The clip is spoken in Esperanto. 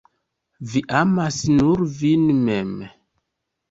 Vi amas nur vin mem.